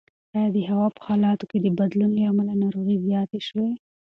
ایا د هوا په حالاتو کې د بدلون له امله ناروغۍ زیاتې شوي؟